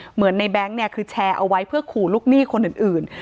เหมือนในแบงค์เนี่ยคือแชร์เอาไว้เพื่อขู่ลูกหนี้คนอื่น